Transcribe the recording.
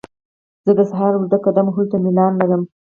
زه د سهار اوږده قدم وهلو ته میلان لرم.